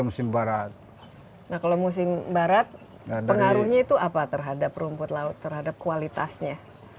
musim barat nah kalau musim barat pengaruhnya itu apa terhadap rumput laut terhadap kualitasnya